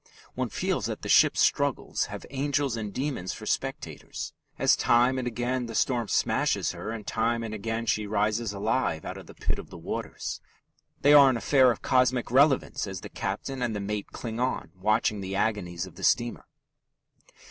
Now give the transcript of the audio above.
One feels that the ship's struggles have angels and demons for spectators, as time and again the storm smashes her and time and again she rises alive out of the pit of the waters. They are an affair of cosmic relevance as the captain and the mate cling on, watching the agonies of the steamer.